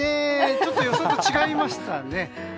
ちょっと予想と違いましたね。